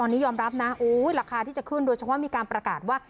ตอนนี้ยอมรับนะราคาที่จะขึ้นโดยเฉพาะมีการประกาศว่า